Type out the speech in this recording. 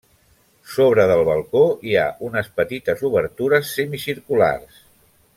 Sobre del balcó hi ha unes petites obertures semicirculars.